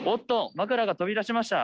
枕が飛び出しました！